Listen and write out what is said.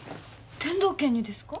天堂家にですか？